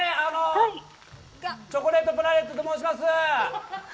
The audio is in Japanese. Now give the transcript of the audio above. チョコレートプラネットと申します。